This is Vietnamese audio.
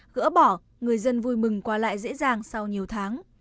gỡ bỏ người dân vui mừng qua lại dễ dàng sau nhiều tháng